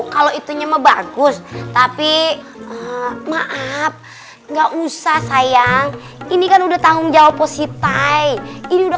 kalau itunya mah bagus tapi maaf nggak usah sayang ini kan udah tanggung jawab positif ini udah